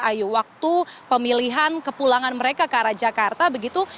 ayu waktu pemilihan kepulangan mereka ke arah jakarta begitu